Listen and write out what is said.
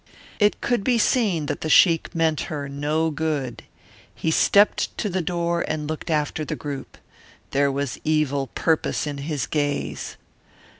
It could be seen that the sheik meant her no good. He stepped to the door and looked after the group. There was evil purpose in his gaze.